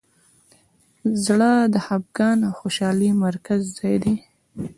زړه د خفګان او خوشحالۍ مرکزي ځای دی.